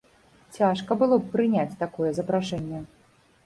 Цяжка было б прыняць такое запрашэнне.